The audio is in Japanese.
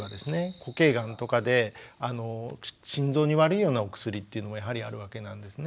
固形がんとかで心臓に悪いようなお薬っていうのはやはりあるわけなんですね。